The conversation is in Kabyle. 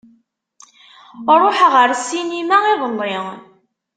Ruḥeɣ ar ssinima iḍelli.